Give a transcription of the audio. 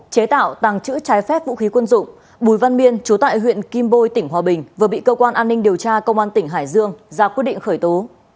chế tạo tàng trữ trái phép vũ khí quân dụng bùi văn miên chú tại huyện kim bôi tỉnh hòa bình vừa bị cơ quan an ninh điều tra công an tỉnh hải dương ra quyết định khởi tố